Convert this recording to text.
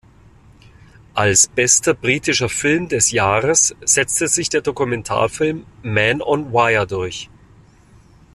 Als bester britischer Film des Jahres setzte sich der Dokumentarfilm "Man on Wire" durch.